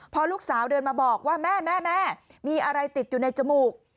พอลูกสาวเดินมาบอกว่าแม่แม่มีอะไรติดอยู่ในจมูก